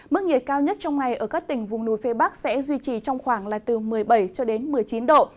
mức nhiệt cao nhất trong ngày ở các tỉnh vùng núi phê bắc sẽ duy trì trong khoảng là từ một mươi bảy một mươi chín độ